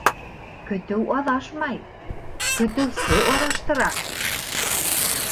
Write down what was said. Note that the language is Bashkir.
Көтөү аҙашмай, көтөүсе аҙаштыра.